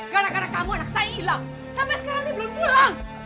gara gara kamu anak saya hilang sampai sekarang belum pulang